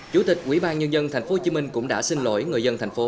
chủ tịch quỹ ban nhân dân tp hcm cũng đã xin lỗi người dân thành phố